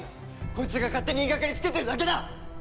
こいつが勝手に言いがかりつけてるだけだ！